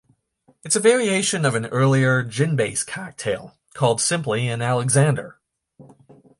It is a variation of an earlier, gin-based cocktail called simply an Alexander.